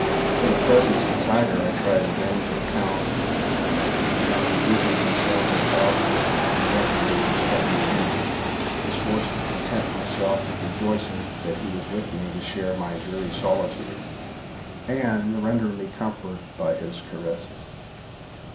For the presence of Tiger I tried in vain to account; and after busying myself with a thousand different conjectures respecting him, was forced to content myself with rejoicing that he was with me to share my dreary solitude, and render me comfort by his caresses.